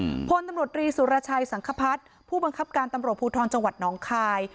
พลตำรวจรีสุรชัยสังคพัฒน์ผู้บังคับการตำรวจภูทรจังหวัดน้องคาย